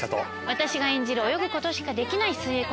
私が演じる泳ぐことしかできない水泳コーチが。